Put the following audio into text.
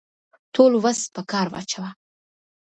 ټول وس په کار واچاوه.